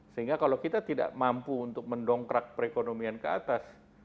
sehingga kalau kita tidak mampu untuk mendongkrak perekonomian ke atas